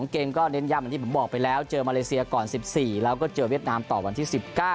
เกมก็เน้นย้ำอย่างที่ผมบอกไปแล้วเจอมาเลเซียก่อน๑๔แล้วก็เจอเวียดนามต่อวันที่๑๙